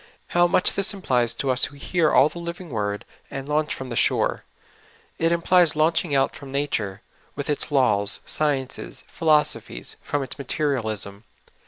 How much this implies to us who will hear all the living word, and launch trom the shore ! It implies launching out from nature, with its laws, sciences, philosophies, from its materialism.